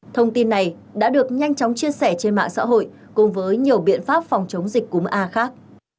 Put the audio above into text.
thông tin này đã được nhanh chóng chia sẻ trên mạng xã hội cùng với nhiều biện pháp phòng chống dịch cúm a khác